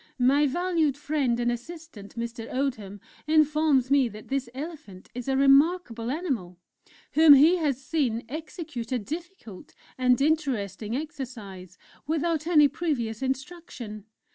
My valued friend and assistant, Mr. Oldham, informs me that this Elephant is a remarkable animal, whom he has seen execute a difficult and interesting exercise without any previous instruction.